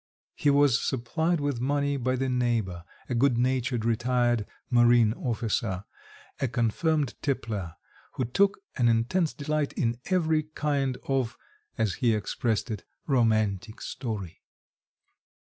He was supplied with money by the neighbour, a good natured retired marine officer, a confirmed tippler, who took an intense delight in every kind of as he expressed it romantic story.